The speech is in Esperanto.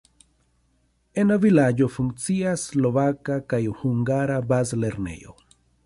En la vilaĝo funkcias slovaka kaj hungara bazlernejo.